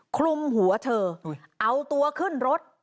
คลุมหัวเธอเอาตัวขึ้นรถ